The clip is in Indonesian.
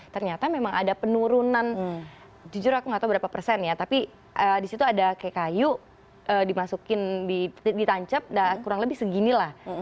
jadi ternyata memang ada penurunan jujur aku gak tau berapa persen ya tapi disitu ada kayak kayu dimasukin di tancap kurang lebih segini lah